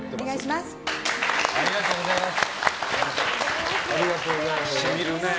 ありがとうございます。